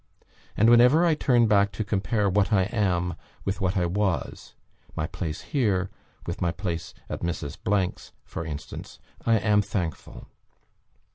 And, whenever I turn back to compare what I am with what I was my place here with my place at Mrs. 's for instance I am thankful.